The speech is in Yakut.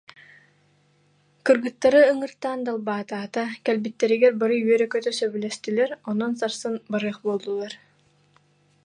кыргыттары ыҥыртаан далбаатаата, кэлбиттэригэр бары үөрэ-көтө сөбүлэстилэр, онон сарсын барыах буоллулар